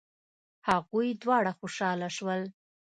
هغوی دواړه خوشحاله شول.